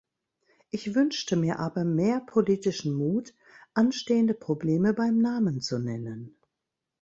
Ich wünschte mir aber mehr politischen Mut, anstehende Probleme beim Namen zu nennen.